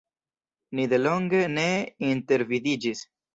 Ni delonge ne intervidiĝis.